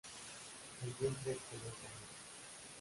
El vientre es color canela.